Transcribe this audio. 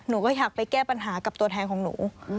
หนูก็อยากไปแก้ปัญหากับตัวแทนของหนู